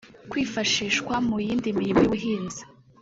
kwifashishwa mu yindi mirimo y’ubuhinzi